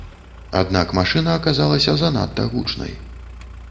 Аднак машына аказалася занадта гучнай.